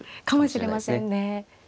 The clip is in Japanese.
かもしれませんね